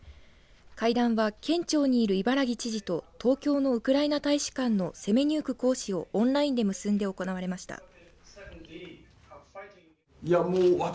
会談は県庁にいる伊原木知事と東京のウクライナ大使館のセメニューク公使をオンラインで結んで行われました。